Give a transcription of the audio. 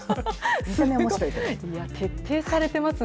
いや、徹底されてますね。